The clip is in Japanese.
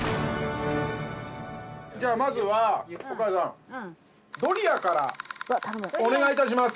じゃあまずはおかあさんうんドリアからお願いいたします